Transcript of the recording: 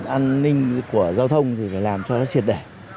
an ninh của giao thông thì phải làm cho nó triệt đẻ